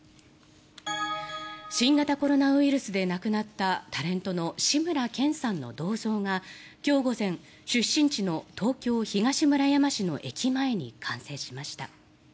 新型コロナウイルスで亡くなったタレントの志村けんさんの銅像が今日午前出身地の東京・東村山市の駅前に完成しました。